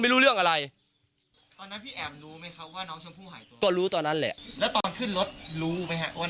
ไม่รู้เรื่องอะไรก็รู้ตอนนั้นแหละแล้วตอนขึ้นรถรู้ไหมว่า